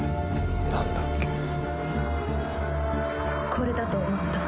これだと思った。